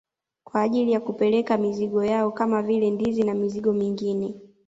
Kwa ajili ya kupeleka mizigo yao kama vile ndizi na mizigo mingine